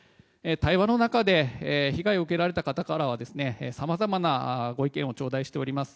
対話の中で被害を受けられた方からはさまざまなご意見を頂戴しております。